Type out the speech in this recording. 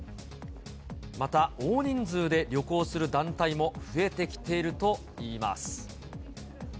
また、大人数で旅行する団体も増えてきているといいます。